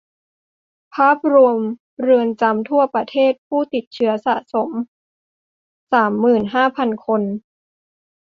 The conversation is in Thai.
ภาพรวมเรือนจำทั่วประเทศ ผู้ติดเชื้อสะสมสามหมื่นห้าพันคน